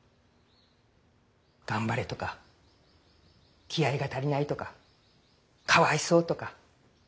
頑張れとか気合いが足りないとかかわいそうとか。